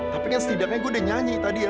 tapi kan setidaknya gue udah nyanyi tadi ya